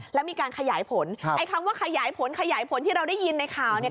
แล้วมีการขยายผลไอ้คำว่าขยายผลขยายผลที่เราได้ยินในข่าวเนี่ย